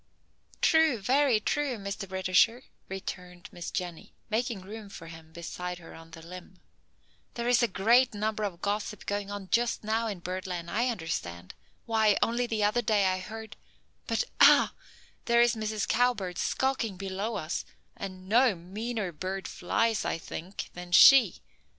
"True, very true, Mr. Britisher," returned Miss Jenny, making room for him beside her on the limb. "There is a great amount of gossip going on just now in bird land, I understand. Why, only the other day I heard but ah there is Mrs. Cowbird skulking below us, and no meaner bird flies, I think, than she.